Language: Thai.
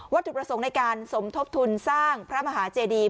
ถูกประสงค์ในการสมทบทุนสร้างพระมหาเจดี